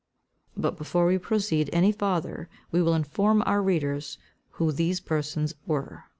But before we proceed any farther we will inform our readers who these persons were.